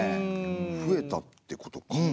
増えたってことか。